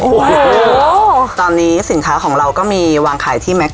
โอ้โหตอนนี้สินค้าของเราก็มีวางขายที่แม็กซ